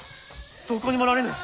どこにもおられぬ。